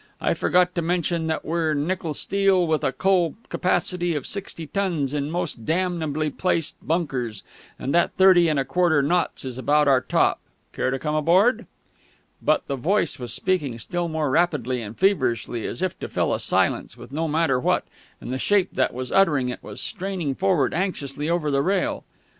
I forgot to mention that we're nickel steel, with a coal capacity of sixty tons in most damnably placed bunkers, and that thirty and a quarter knots is about our top. Care to come aboard?_" But the voice was speaking still more rapidly and feverishly, as if to fill a silence with no matter what, and the shape that was uttering it was straining forward anxiously over the rail.